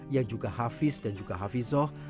yang juga hafiz dan juga hafizoh